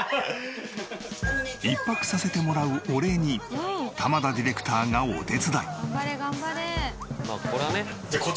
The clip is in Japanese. １泊させてもらうお礼に玉田ディレクターがお手伝い。